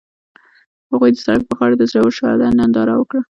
هغوی د سړک پر غاړه د ژور شعله ننداره وکړه.